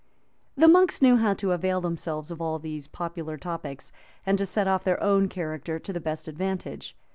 ] The monks knew how to avail themselves of all these popular topics, and to set off their own character to the best advantage.